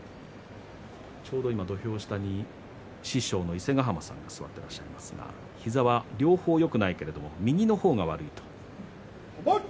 ちょうど今、土俵下に師匠の伊勢ヶ濱さんが座っていらっしゃいますが膝は両方よくないけれど右の方が悪いと。